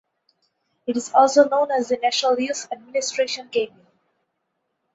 It is also known as the National Youth Administration Cabin.